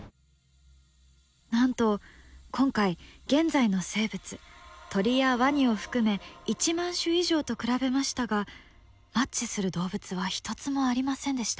なんと今回現在の生物鳥やワニを含め１万種以上と比べましたがマッチする動物は一つもありませんでした。